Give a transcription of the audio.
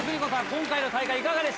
今回の大会いかがでしたか？